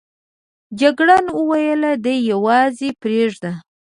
جګړن وویل دی یوازې پرېږده.